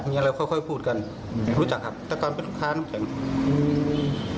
มีอะไรค่อยพูดกันรู้จักครับแต่ก่อนเป็นลูกค้าน้องแทงอืม